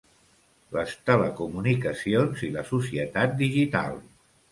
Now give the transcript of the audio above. Les telecomunicacions i la societat digital.